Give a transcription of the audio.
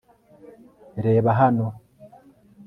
reba hano